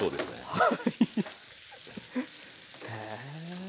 はい。